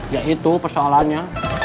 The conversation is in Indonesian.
ya itu persoalannya